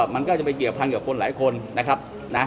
มันก็จะไปเกี่ยวพันกับคนหลายคนนะครับนะ